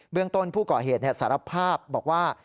เรื่องต้นผู้ก่อเหตุสารภาพบอกว่า